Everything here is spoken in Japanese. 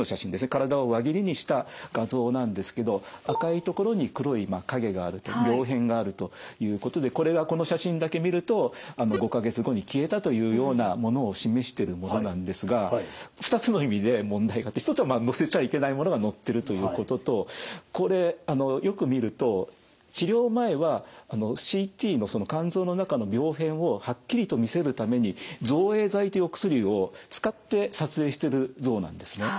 体を輪切りにした画像なんですけど赤い所に黒い影があると病変があるということでこれはこの写真だけ見ると５か月後に消えたというようなものを示してるものなんですが２つの意味で問題があって一つは載せちゃいけないものが載ってるということとこれよく見ると治療前はＣＴの肝臓の中の病変をはっきりと見せるために造影剤というお薬を使って撮影してる像なんですね。